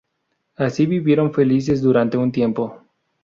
Así vivieron felices durante un tiempo.